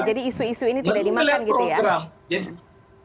jadi isu isu ini tidak dimakan gitu ya